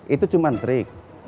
itu cuma trik